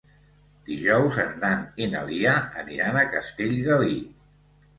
Dijous en Dan i na Lia aniran a Castellgalí.